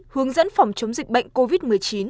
hướng dẫn phòng chống dịch bệnh covid một mươi chín